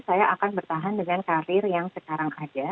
saya akan bertahan dengan karir yang sekarang ada